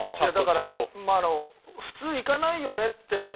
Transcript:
いやだからまああの普通行かないよねって